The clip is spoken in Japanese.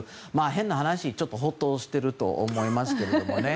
変な話ほっとしてると思いますけどね。